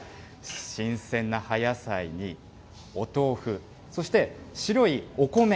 新鮮な葉野菜にお豆腐、そして白いお米。